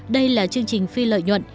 đây là chương trình phi lợi nhuận